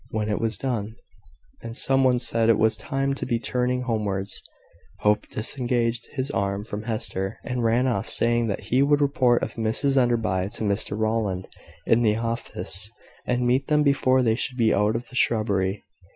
When it was done, and some one said it was time to be turning homewards, Hope disengaged his arm from Hester, and ran off, saying that he would report of Mrs Enderby to Mr Rowland in the office, and meet them before they should be out of the shrubbery.